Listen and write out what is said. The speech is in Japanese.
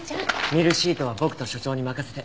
ミルシートは僕と所長に任せて。